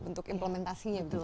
untuk implementasinya gitu